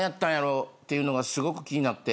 っていうのがすごく気になって。